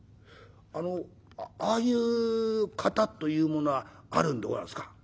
「あのああいう型というものはあるんでござんすか？」。